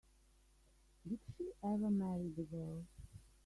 Did she ever marry the girl?